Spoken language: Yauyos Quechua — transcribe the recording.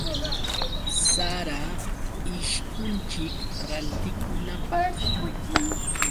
Sara ishkunchik rantikunapaq.